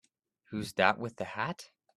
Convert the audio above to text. Who's that with the hat?